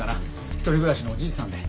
一人暮らしのおじいさんで。